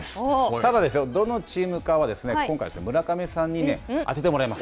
ただ、どのチームかは、今回、村上さんに当ててもらいます。